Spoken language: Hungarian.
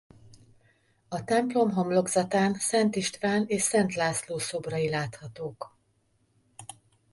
A templom homlokzatán Szent István és Szent László szobrai láthatók.